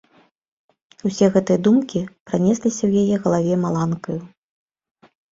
Усе гэтыя думкі пранесліся ў яе галаве маланкаю.